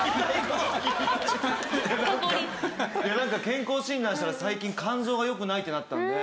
健康診断したら最近肝臓がよくないってなったんで。